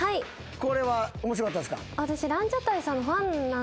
これは面白かったですか？